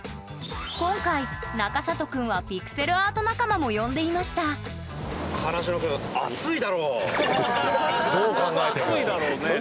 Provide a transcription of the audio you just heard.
今回中里くんはピクセルアート仲間も呼んでいましたかなしのくんどう考えても。